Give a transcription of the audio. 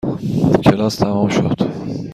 کلاس تمام شد.